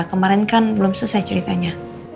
kemarin kan belum selesai ceritanya